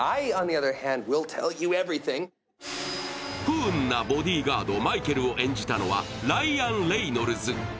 不運なボディガード、マイケルを演じたのはライアン・レイノルズ。